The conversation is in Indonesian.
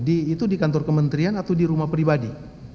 itu di kantor kementerian atau di rumah pribadi